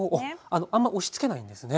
あんま押しつけないんですね。